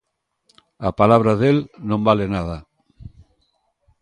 A palabra del non vale nada.